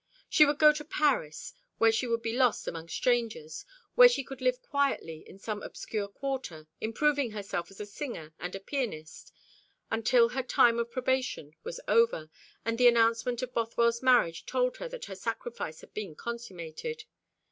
She would go to Paris, where she would be lost among strangers; where she could live quietly in some obscure quarter, improving herself as a singer and a pianiste, until her time of probation was over, and the announcement of Bothwell's marriage told her that her sacrifice had been consummated.